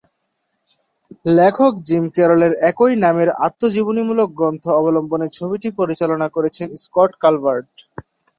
লেখক জিম ক্যারলের একই নামের আত্মজীবনীমূলক গ্রন্থ অবলম্বনে ছবিটি পরিচালনা করেছেন স্কট কালভার্ট।